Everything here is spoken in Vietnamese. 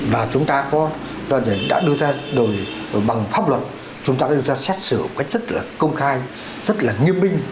và chúng ta đã đưa ra đời bằng pháp luật chúng ta đã đưa ra xét xử một cách rất là công khai rất là nghiêm binh